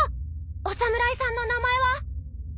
お侍さんの名前は？